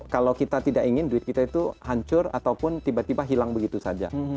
kalau kita tidak ingin duit kita itu hancur ataupun tiba tiba hilang begitu saja